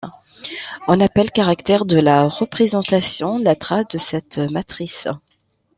On appelle caractère de la représentation la trace de cette matrice.